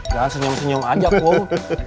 jangan senyum senyum aja kung